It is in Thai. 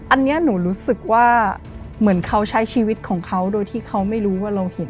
อันนี้หนูรู้สึกว่าเหมือนเขาใช้ชีวิตของเขาโดยที่เขาไม่รู้ว่าเราเห็น